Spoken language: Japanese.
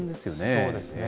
そうですね。